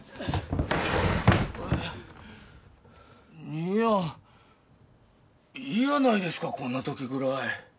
兄やんいいやないですかこんな時ぐらい。